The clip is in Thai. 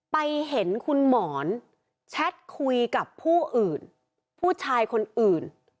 ไปเห็นคุณหมอนแชทคุยกับผู้อื่นผู้ชายคนอื่น